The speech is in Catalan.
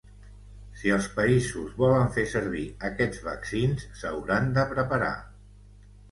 Si els països volen fer servir aquests vaccins, s’hauran de preparar.